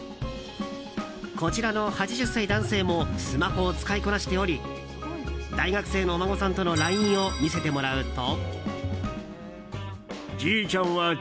こちらの８０代男性もスマホを使いこなしており大学生のお孫さんとのＬＩＮＥを見せてもらうと。